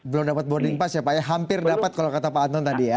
belum dapat boarding pass ya pak ya hampir dapat kalau kata pak anton tadi ya